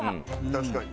確かに。